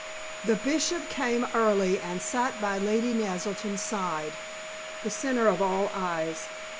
The Bishop came early, and sat by Lady Naselton's side, the centre of all eyes.